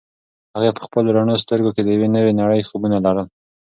هغې په خپلو رڼو سترګو کې د یوې نوې نړۍ خوبونه لرل.